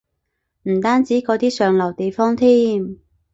唔單止嗰啲上流地方添